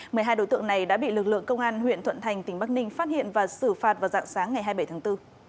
một mươi hai đối tượng này đã bị lực lượng công an huyện thuận thành tỉnh bắc ninh phát hiện và xử phạt vào dạng sáng ngày hai mươi bảy tháng bốn